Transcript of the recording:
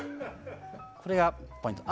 これがポイント。